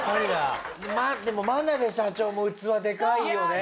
でも眞鍋社長も器でかいよね。